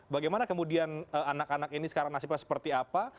bagaimana kemudian anak anak ini sekarang nasibnya seperti apa